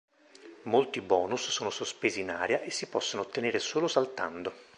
Molti bonus sono sospesi in aria e si possono ottenere solo saltando.